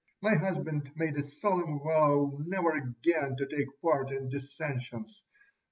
My husband made a solemn vow never again to take part in dissensions.